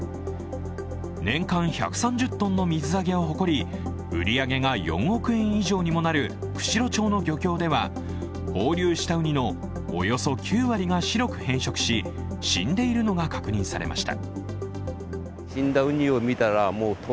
年間１３０ｔの水揚げを誇り、売り上げが４億円以上になる釧路町の漁協では放流したウニのおよそ９割が白く変色し死んでいるのが確認されました。